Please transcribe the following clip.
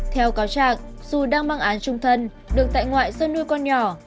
theo cáo trạng dù đang mang án trung thân được tại ngoại do nuôi con nhỏ